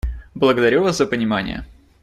Благодарю вас за понимание.